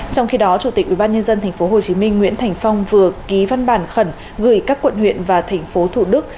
trong khi đó chủ tịch ubnd tp hcm nguyễn thành phong vừa ký văn bản khẩn gửi các quận huyện và thành phố thủ đức